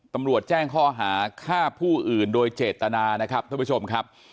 ตำรวจแจ้งข้อหาฆ่าผู้อื่นโดยเจตนานะครับท่านผู้ชมครับ